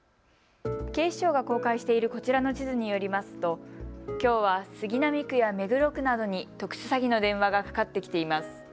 警視庁が公開しているこちらの地図によりますときょうは杉並区や目黒区などに特殊詐欺の電話がかかってきています。